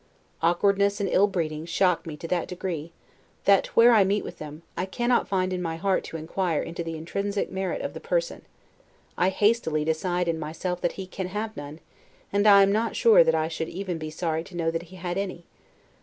Awkwardness and ill breeding shock me to that degree, that where I meet with them, I cannot find in my heart to inquire into the intrinsic merit of that person I hastily decide in myself that he can have none; and am not sure that I should not even be sorry to know that he had any.